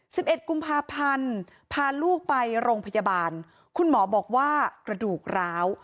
สิบเอ็ดกุมภาพันธ์พาลูกไปโรงพยาบาลคุณหมอบอกว่ากระดูกร้าว